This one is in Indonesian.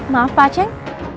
maaf pak ceng